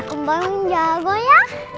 om banjago ya